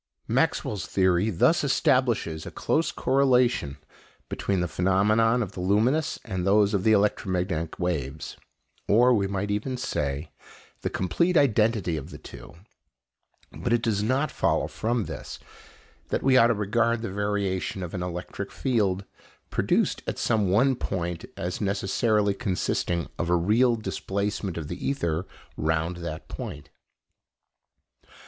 Maxwell's theory thus establishes a close correlation between the phenomena of the luminous and those of the electromagnetic waves, or, we might even say, the complete identity of the two. But it does not follow from this that we ought to regard the variation of an electric field produced at some one point as necessarily consisting of a real displacement of the ether round that point.